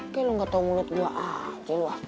kayaknya lo nggak tahu mulut gue aja lo